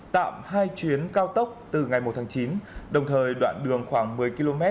tạm hai chuyến cao tốc từ ngày một tháng chín đồng thời đoạn đường khoảng một mươi km